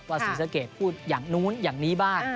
ศรีสะเกดพูดอย่างนู้นอย่างนี้บ้าง